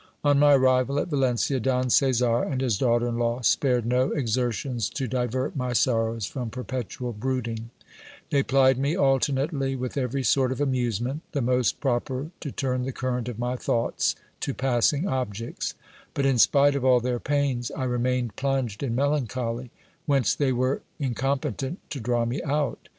On my arrival at Valencia, Don Caesar and his daughter in law spared no exertions to divert my sorrows from perpetual brooding ; they plied me alternately with every sort of amusement, the most proper to turn the current of my thoughts to passing objects ; but, in spite of all their pains, I remained plunged in melancholy, whence they were incom petent to draw me out.